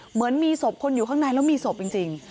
เหมือนมีสบคนออกอยู่ข้างในและมีสบจริง